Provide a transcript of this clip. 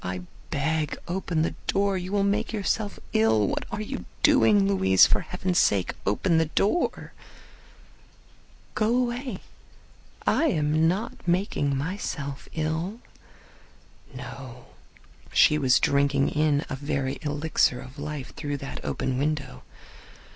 I beg, open the door — you will make yourself ill. What are you doing, Louise? For heaven's sake open the door." "Go away. I am not making myself ill." No; she was drinking in a very elixir of life through that open window.